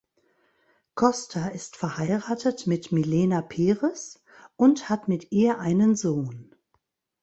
Costa ist verheiratet mit Milena Pires und hat mit ihr einen Sohn.